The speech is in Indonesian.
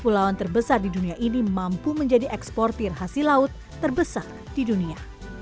pulauan terbesar di dunia ini mampu menjadi eksportir hasil laut terbesar di dunia